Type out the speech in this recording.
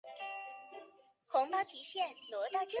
布万龙属地区。